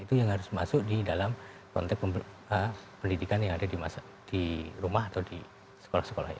itu yang harus masuk di dalam konteks pendidikan yang ada di rumah atau di sekolah sekolah